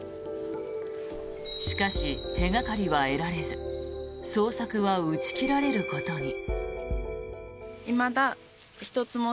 しかし、手掛かりは得られず捜索は打ち切られることに。